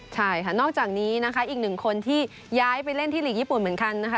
ใช่ค่ะนอกจากนี้นะคะอีกหนึ่งคนที่ย้ายไปเล่นที่หลีกญี่ปุ่นเหมือนกันนะคะ